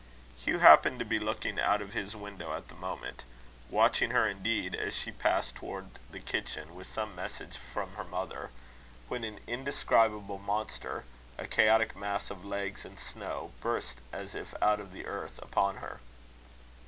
Hugh happened to be looking out of his window at the moment watching her, indeed, as she passed towards the kitchen with some message from her mother; when an indescribable monster, a chaotic mass of legs and snow, burst, as if out of the earth, upon her.